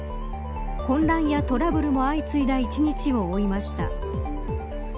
混乱やトラブルも相次いだ一日を追いました。